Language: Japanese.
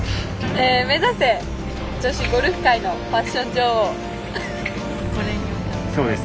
目指せ女子ゴルフ界のファッション女王。